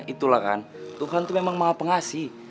itulah kan tuhan tuh memang mengapa ngasih